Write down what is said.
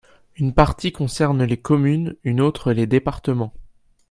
Une partie concerne les communes, une autre les départements.